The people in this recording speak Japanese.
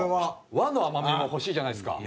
和の甘みも欲しいじゃないですか。